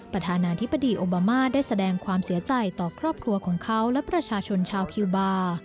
ประธานาธิบดีโอบามาได้แสดงความเสียใจต่อครอบครัวของเขาและประชาชนชาวคิวบาร์